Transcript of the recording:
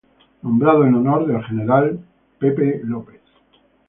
Nombrado en honor del General John Coffee.